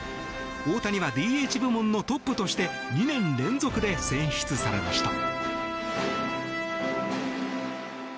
大谷はＤＨ部門のトップとして２年連続で選出されました。